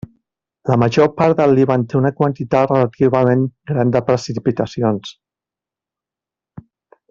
La major part del Líban té una quantitat relativament gran de precipitacions.